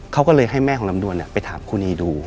เขาก็เลยให้แม่ของลำดวนไปถามครูนีดู